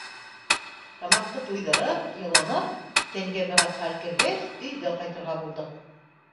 Тамаҡты туйҙырып, йылынып, тәнгә бер аҙ хәл кергәс, өйгә ҡайтырға булдыҡ.